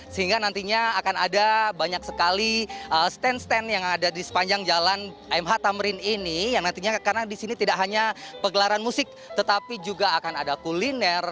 sehingga nantinya akan ada banyak sekali stand stand yang ada di sepanjang jalan mh tamrin ini yang nantinya karena di sini tidak hanya pegelaran musik tetapi juga akan ada kuliner